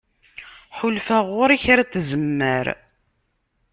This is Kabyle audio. Ḥulfaɣ ɣur-i kra n tzemmar.